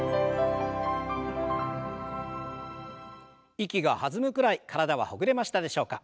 息が弾むくらい体はほぐれましたでしょうか。